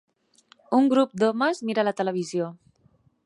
Un grup d'homes mira la televisió.